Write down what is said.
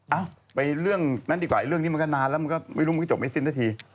เอ้าไปเรื่องนั้นดีกว่าเรื่องนี้มันก็นานแล้วมันก็ไม่รู้มึงจบไม่สิ้นสักที